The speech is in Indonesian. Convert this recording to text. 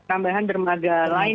penambahan dermaga lain